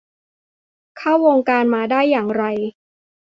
เข้าวงการมาได้อย่างไร